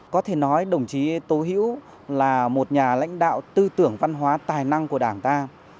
có thể nói đồng chí tố hữu là một nhà lãnh đạo tư tưởng văn hóa tài năng của đảng ta